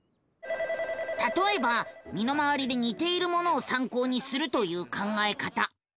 たとえば身の回りでにているものをさんこうにするという考え方。